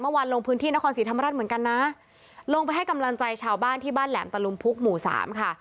ลงพื้นที่นครศรีธรรมราชเหมือนกันนะลงไปให้กำลังใจชาวบ้านที่บ้านแหลมตะลุมพุกหมู่สามค่ะ